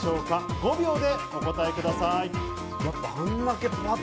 ５秒でお答えください。